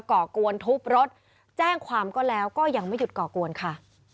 ก่อกวนทุบรถแจ้งความก็แล้วก็ยังไม่หยุดก่อกวนค่ะ